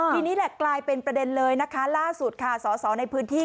ทีนี้แหละกลายเป็นประเด็นเลยนะคะล่าสุดค่ะสอสอในพื้นที่